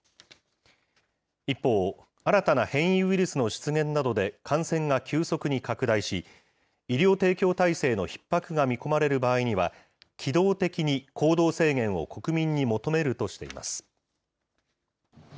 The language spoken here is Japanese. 一方、新たな変異ウイルスの出現などで、感染が急速に拡大し、医療提供体制のひっ迫が見込まれる場合には、機動的に行動制限を国民に求めるとしています。